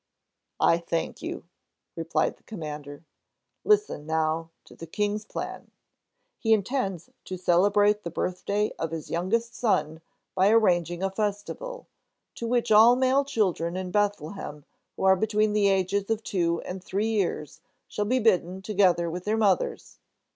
"I thank you," replied the Commander. "Listen, now, to the King's plan! He intends to celebrate the birthday of his youngest son by arranging a festival, to which all male children in Bethlehem, who are between the ages of two and three years, shall be bidden, together with their mothers.